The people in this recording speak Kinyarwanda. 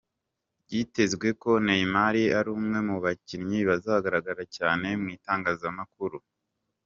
Byitezwe ko Neymar ari umwe mu bakinnyi bazagaragara cyane mu itangazamakuru